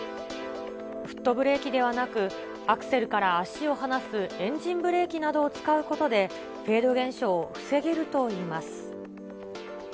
フットブレーキではなく、アクセルから足を離すエンジンブレーキなどを使うことで、フェード現象を防げるといいます。